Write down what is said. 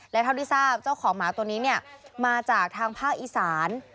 และเท่าที่ทราบเจ้าของหมาตัวนี้มาจากทางภาคอีสาน